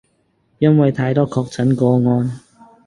因為太多確診個案